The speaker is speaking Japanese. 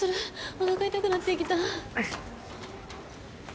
おなか痛くなってきた。